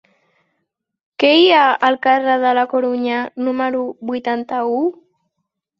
Què hi ha al carrer de la Corunya número vuitanta-u?